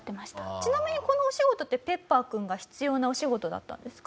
ちなみにこのお仕事ってペッパーくんが必要なお仕事だったんですか？